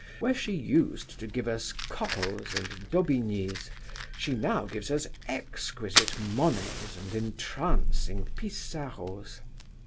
Where she used to give us Corots and Daubignys, she gives us now exquisite Monets and entrancing Pissaros.